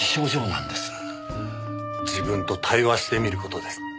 自分と対話してみる事です。